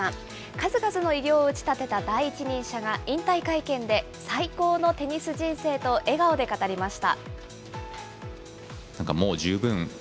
数々の偉業を打ち立てた第一人者が、引退会見で最高のテニス人生と笑顔で語りました。